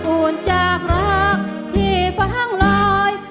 อุ่นจากรักที่ฟ้างลอย